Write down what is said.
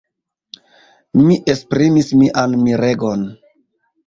Mi esprimis mian miregon.